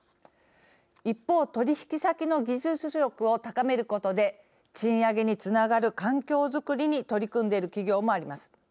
一方取引先の技術力を高めることで賃上げにつながる環境づくりに取り組んでいる企業もあります。